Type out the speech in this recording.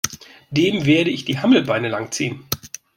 Dem werde ich die Hammelbeine lang ziehen!